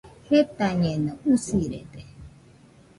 Jetañeno, usirede